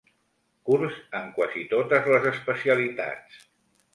Curs en quasi totes les especialitats.